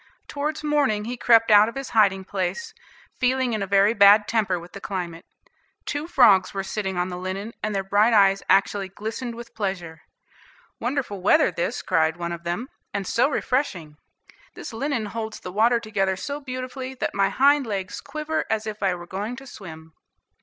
Towards morning he crept out of his hiding place, feeling in a very bad temper with the climate. Two frogs were sitting on the linen, and their bright eyes actually glistened with pleasure. "Wonderful weather this," cried one of them, "and so refreshing. This linen holds the water together so beautifully, that my hind legs quiver as if I were going to swim."